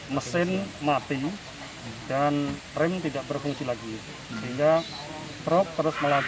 mesin mati dan rem tidak berfungsi lagi sehingga truk terus melaju